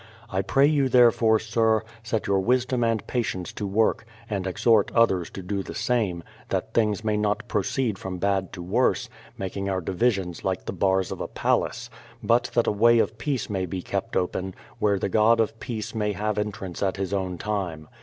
I pray you therefore, Sir, set your wisdom and patience to work, and exhort others to do the same, that things may not pro ceed from bad to worse, making our divisions like the bars of a palace ; but that a way of peace may be kept open, where the God of peace may have entrance at His own time.